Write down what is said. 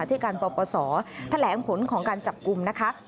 ที่การปปศแถลงผลของการจับกลุ่มนะคะ